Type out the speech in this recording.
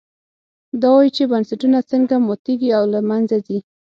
دا وایي چې بنسټونه څنګه ماتېږي او له منځه ځي.